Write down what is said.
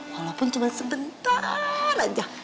walaupun cuma sebentar aja